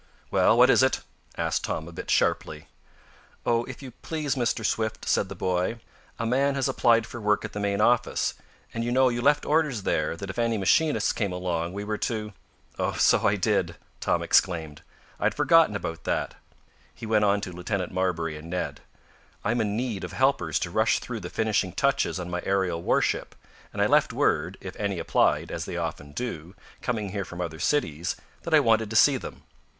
"Well, what is it?" asked Tom a bit sharply. "Oh, if you please, Mr. Swift," said the boy, "a man has applied for work at the main office, and you know you left orders there that if any machinists came along, we were to " "Oh, so I did," Tom exclaimed. "I had forgotten about that," he went on to Lieutenant Marbury and Ned. "I am in need of helpers to rush through the finishing touches on my aerial warship, and I left word, if any applied, as they often do, coming here from other cities, that I wanted to see them.